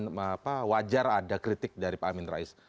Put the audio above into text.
itu mungkin wajar ada kritik dari pak amin rais